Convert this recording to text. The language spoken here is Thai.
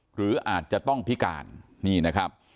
หรืออาจจะต้องพิการนี่นะครับ